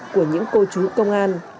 của những cô chú công an